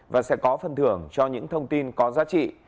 và sẽ có phần thưởng cho những thông tin có giá trị